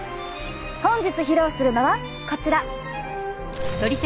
本日披露するのはこちら。